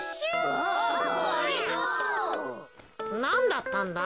なんだったんだ？